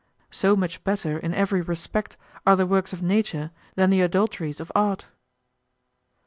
So much better in every respect are the works of nature than the adulteries of art.